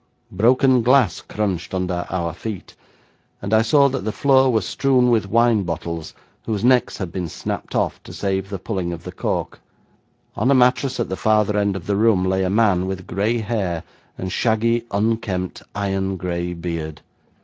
Broken glass crunched under our feet, and I saw that the floor was strewn with wine bottles whose necks had been snapped off to save the pulling of the cork. On a mattress at the farther end of the room lay a man with gray hair, and shaggy, unkempt iron gray beard.